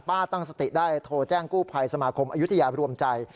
ตั้งสติได้โทรแจ้งกู้ภัยสมาคมอายุทยารวมใจ